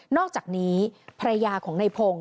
อกจากนี้ภรรยาของในพงศ์